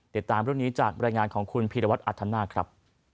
ติดตามเรื่องนี้จากบรรยายงานของคุณพีรวัตรอัธนาคครับ